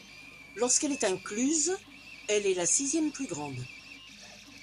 Lorsqu'elle est incluse, elle est la sixième plus grande.